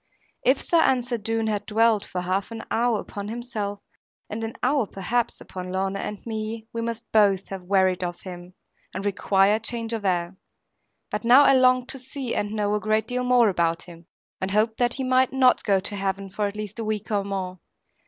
If Sir Ensor Doone had dwelled for half an hour upon himself, and an hour perhaps upon Lorna and me, we must both have wearied of him, and required change of air. But now I longed to see and know a great deal more about him, and hoped that he might not go to Heaven for at least a week or more.